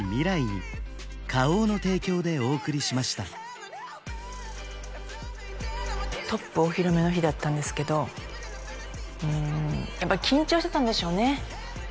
汗だくでトップお披露目の日だったんですけどやっぱり緊張してたんでしょうね